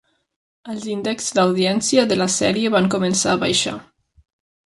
Els índexs d'audiència de la sèrie van començar a baixar.